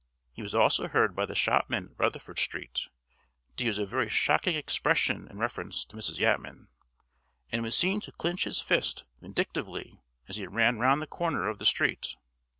He was also heard by the shopman at Rutherford Street to use a very shocking expression in reference to Mrs. Yatman, and was seen to clinch his fist vindictively as he ran round the corner of the street.